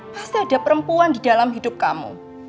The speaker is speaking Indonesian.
pasti ada perempuan di dalam hidup kamu